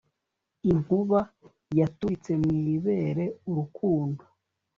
Inkuba yaturitse mu ibere urukundo